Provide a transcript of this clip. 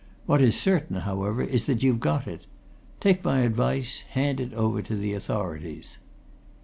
What is certain, however, is that you've got it. Take my advice hand it over to the authorities!"